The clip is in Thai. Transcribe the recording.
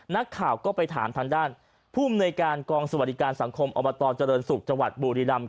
นักข่าวก็ไปถามทางด้านภูมิในการกองสวัสดิการสังคมอบตเจริญศุกร์จังหวัดบุรีรำ